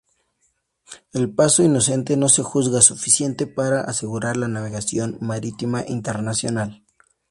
El paso inocente no se juzga suficiente para asegurar la navegación marítima internacional.